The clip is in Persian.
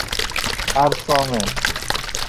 اَرسامِن